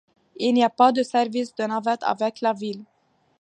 Il n'y a pas de service de navette avec la ville.